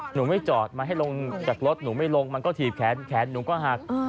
หนูไม่จอดมันให้ลงจากรถหนูไม่ลงมันก็ถีบแขนแขนหนูก็หัก